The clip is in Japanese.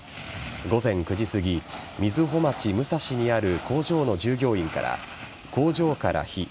午前９時すぎ、瑞穂町武蔵にある工場の従業員から工場から火。